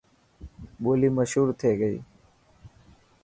ٻولي مشور ٿي گئي.